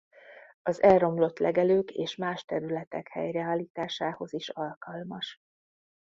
Az elromlott legelők és más területek helyreállításához is alkalmas.